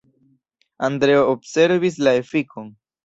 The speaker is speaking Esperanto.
Andreo observis la efikon.